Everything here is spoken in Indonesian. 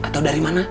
atau dari mana